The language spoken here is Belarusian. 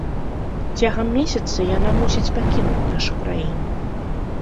Цягам месяца яна мусіць пакінуць нашу краіну.